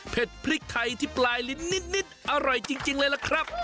พริกไทยที่ปลายลิ้นนิดอร่อยจริงเลยล่ะครับ